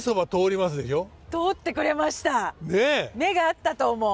目が合ったと思う。